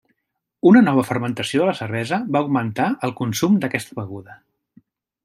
Una nova fermentació de la cervesa va augmentar el consum d'aquesta beguda.